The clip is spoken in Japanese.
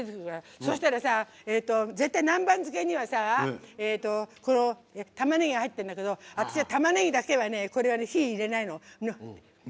そうしたら、絶対、南蛮漬けにはたまねぎが入ってるんだけど私は、たまねぎだけは火を入れないの。